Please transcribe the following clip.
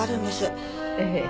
ええ。